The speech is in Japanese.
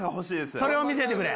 それを見せてくれ！